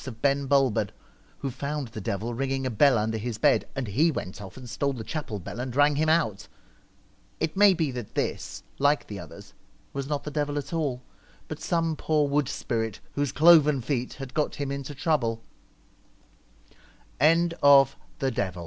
Twilight, of Ben Bulben, who found the devil ringing a bell under his bed, and he went off and stole the chapel bell and rang him out. It may be that this, like the others, was not the devil at all, but some poor wood spirit whose cloven feet had got him